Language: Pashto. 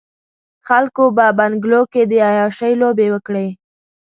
خلکو په بنګلو کې د عياشۍ لوبې وکړې.